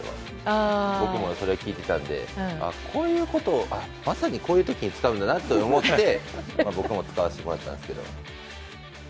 僕もそれを聞いてたのでまさにこういう時に使うんだなと思って僕も使わせてもらったんですけど。